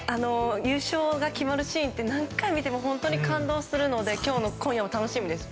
優勝が決まるシーンって何回見ても本当に感動するので今夜も楽しみです。